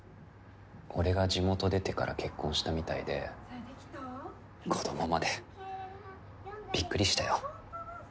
俺が地元出てから結婚したみたいで子供までびっくりしたよ。